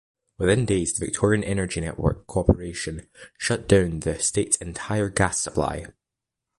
Within days, the Victorian Energy Network Corporation shut down the state's entire gas supply.